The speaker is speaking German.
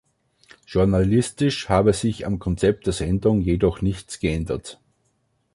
Journalistisch habe sich am Konzept der Sendungen jedoch nichts geändert.